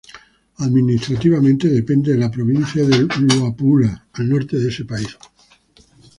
Administrativamente depende de la Provincia de Luapula al norte de ese país.